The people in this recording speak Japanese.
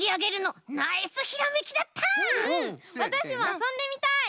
わたしもあそんでみたい！